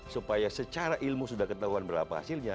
supaya secara ilmu sudah ketahuan berapa hasilnya